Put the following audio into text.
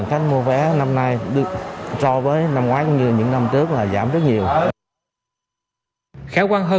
khách mua vé năm nay so với năm ngoái cũng như những năm trước là giảm rất nhiều khả quan hơn